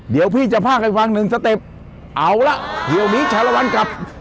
เดี๋ยวพี่จะภาคให้ฟังหนึ่งับทีแถวนี้ฉารวรรณกลับ